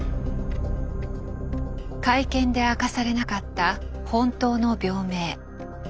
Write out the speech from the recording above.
会見で明かされなかった本当の病名。